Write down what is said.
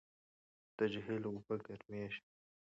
د جهیل اوبه ګرمېږي.